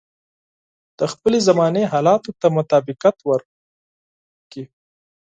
د خپلې زمانې حالاتو ته مطابقت ورکړي.